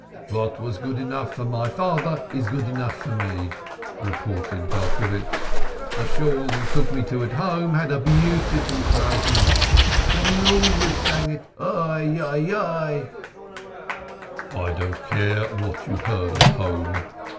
"What was good enough for my father is good enough for me," retorted Belcovitch. "The Shool he took me to at home had a beautiful Chazan, and he always sang it 'Ei, Ei, Ei.'" "I don't care what you heard at home.